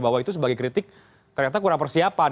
bahwa itu sebagai kritik ternyata kurang persiapan